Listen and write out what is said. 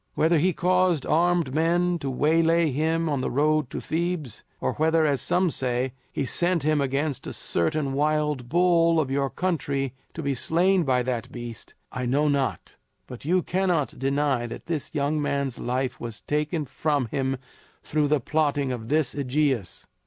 Whether he caused armed men to waylay him on the road to Thebes, or whether as some say he sent him against a certain wild bull of your country to be slain by that beast, I know not; but you cannot deny that the young man's life was taken from him through the plotting of this AEgeus."